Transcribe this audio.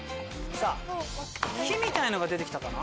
さぁ木みたいなのが出て来たかな？